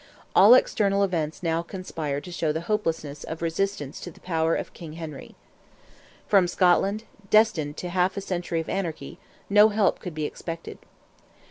All external events now conspired to show the hopelessness of resistance to the power of King Henry. From Scotland, destined to half a century of anarchy, no help could be expected.